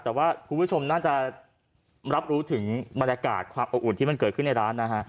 แต่ว่าคุณผู้ชมน่าจะรับรู้ถึงบรรยากาศความอบอุ่นที่มันเกิดขึ้นในร้านนะฮะ